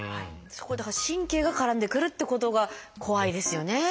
そこにだから神経が絡んでくるっていうことが怖いですよね。